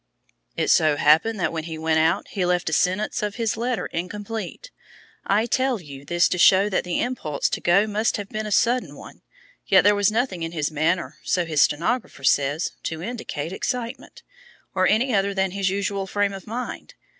"It so happened that when he went out he left a sentence of his letter incomplete. I tell you this to show that the impulse to go must have been a sudden one, yet there was nothing in his manner, so his stenographer says, to indicate excitement, or any other than his usual frame of mind.